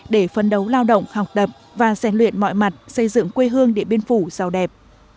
để phân đấu lao động học tập và giành luyện mọi mặt xây dựng quê hương để biên phủ giàu đẹp